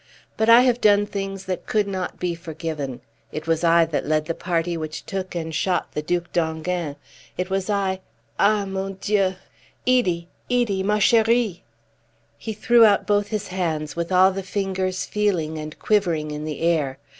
But I have done things that could not be forgiven. It was I that led the party which took and shot the Duc d'Enghien. It was I Ah, mon Dieu! Edie, Edie, ma cherie!" He threw out both his hands, with all the fingers feeling and quivering in the air.